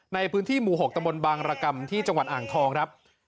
ในพื้นที่หมู่๖ตะบนบางรกรรมที่จังหวัดอ่างทองครับ